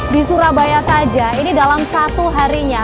di surabaya saja ini dalam satu harinya